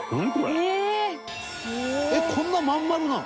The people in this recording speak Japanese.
えっこんなまん丸なの？